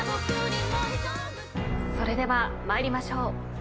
それでは参りましょう。